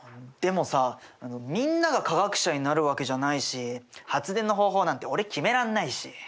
でもさみんなが科学者になるわけじゃないし発電の方法なんて俺決めらんないし。